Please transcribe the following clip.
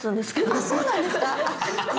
あそうなんですか？